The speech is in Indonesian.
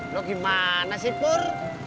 lu gimana sih pur